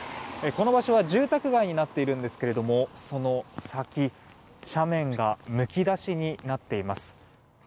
この場所は住宅街になっているんですが、その先斜面がむき出しになっています。